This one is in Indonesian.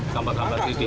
gambar gambar di sini